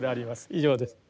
以上です。